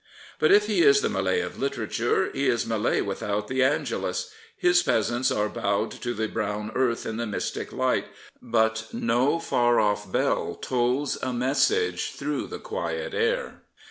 But if he is the Millet of literature, he is Millet without the " Angelus/' His peasants are bowed to the brown earth in the mystic light, but no far off bell tolls a message through the quiet air.